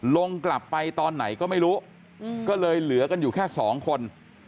ลงกลับไปตอนไหนก็ไม่รู้ก็เลยเหลือกันอยู่แค่สองคน